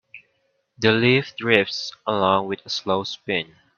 The leaf drifts along with a slow spin.